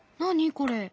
これ。